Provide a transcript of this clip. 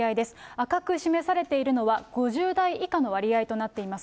赤く示されているのは５０代以下の割合となっています。